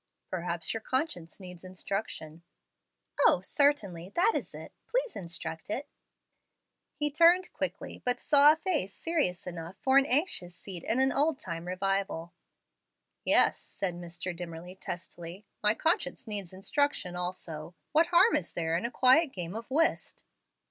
"Perhaps your conscience needs instruction." "O, certainly, that is it! Please instruct it." He turned quickly, but saw a face serious enough for an anxious seat in an old time revival. "Yes," said Mr. Dimmerly, testily. "My conscience needs instruction also. What harm is there in a quiet game of whist?"